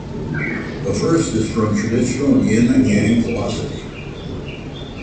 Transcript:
The first is from traditional Yin and Yang philosophy.